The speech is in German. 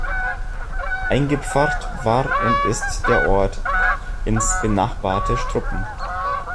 Eingepfarrt war und ist der Ort ins benachbarte Struppen.